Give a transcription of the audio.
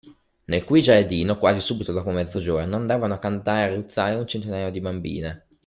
Nel cui giardino, quasi subito dopo mezzogiorno, andavano a cantare e a ruzzare un centinaio di bambine.